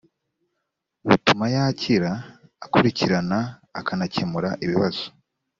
butuma yakira akurikirana akanakemura ibibazo